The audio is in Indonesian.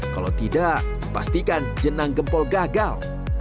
kalau tidak pastikan jenang gempol gagal